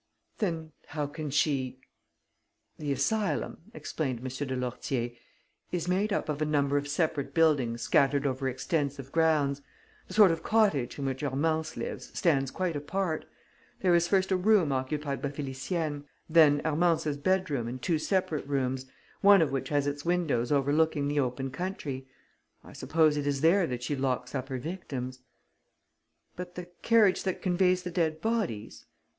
"Then how can she ...?" "The asylum," explained M. de Lourtier, "is made up of a number of separate buildings scattered over extensive grounds. The sort of cottage in which Hermance lives stands quite apart. There is first a room occupied by Félicienne, then Hermance's bedroom and two separate rooms, one of which has its windows overlooking the open country. I suppose it is there that she locks up her victims." "But the carriage that conveys the dead bodies?"